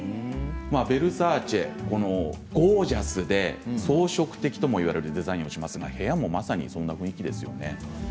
ヴェルサーチゴージャスで装飾的ともいわれているデザインをしていますが部屋のデザイン、まさにそんなデザインそんな雰囲気ですよね。